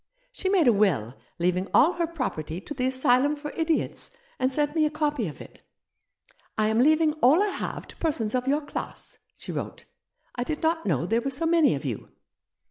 She made a will leaving all her property to the Asylum for Idiots, and sent me a copy of it. ' I am leaving all I have to persons of your class,' she wrote ;' I did not know there were so many of you.'